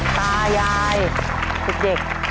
ตายายเด็ก